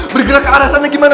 bergerak ke arah sana gimana